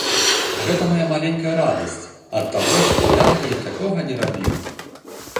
Гэта мая маленькая радасць ад таго, што я раней такога не рабіў.